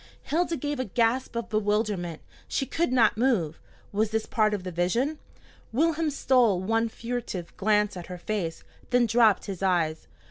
Hilda gave a gasp of bewilderment. She could not move. Was this part of the vision? Wilhelm stole one furtive glance at her face, then dropped his eyes.